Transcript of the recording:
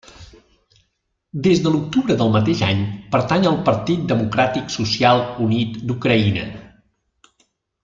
Des de l'octubre del mateix any pertany al Partit Democràtic Social Unit d'Ucraïna.